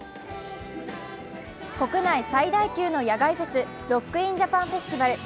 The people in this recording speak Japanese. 国内最大級の野外フェス、ロック・イン・ジャパン・フェスティバル。